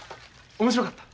面白かった？